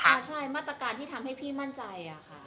ใช่มาตรการที่ทำให้พี่มั่นใจค่ะ